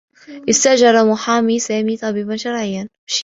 استأجر محامي سامي طبيبا شرعيّا.